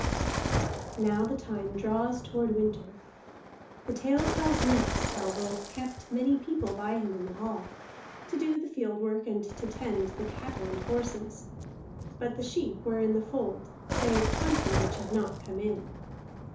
Now the time draws toward winter. The tale tells next how Rolf kept many people by him in the hall, to do the field work and to tend the cattle and horses (but the sheep were in the fold, save twenty which had not come in).